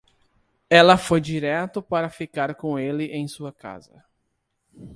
Ela foi direto para ficar com ele em sua casa.